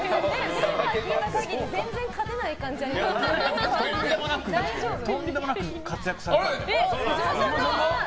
メンバー聞いた限り全然勝てない感じありますけどとんでもなく活躍されてますから。